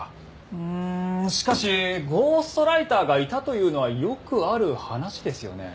うんしかしゴーストライターがいたというのはよくある話ですよね？